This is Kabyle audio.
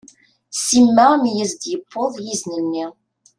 Sima mi as-d-yewweḍ yizen-nni.